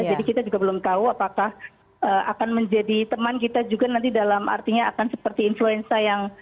jadi kita juga belum tahu apakah akan menjadi teman kita juga nanti dalam artinya akan seperti influenza yang